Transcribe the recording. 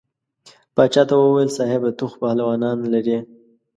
باچا ته وویل صاحبه ته خو پهلوانان لرې.